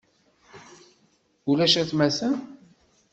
Ulac atmaten.